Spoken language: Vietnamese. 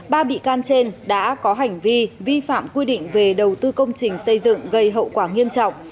ba bị can trên đã có hành vi vi phạm quy định về đầu tư công trình xây dựng gây hậu quả nghiêm trọng